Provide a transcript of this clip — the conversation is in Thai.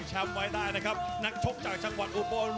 กว่าเคงการ